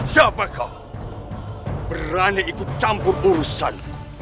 siapa kau berani ikut campur urusan